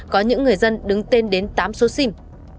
có những người dân đứng tên đến tám số sim